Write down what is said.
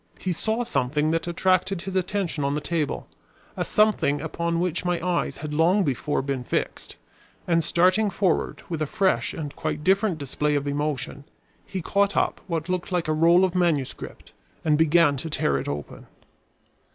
He saw something that attracted his attention on the table, a something upon which my eyes had long before been fixed, and starting forward with a fresh and quite different display of emotion, he caught up what looked like a roll of manuscript and began to tear it open.